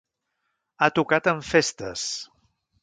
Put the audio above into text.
Ha tocat en festes.